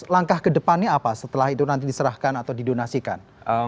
langkah kedepannya apa setelah itu nanti diserahkan atau didonasikan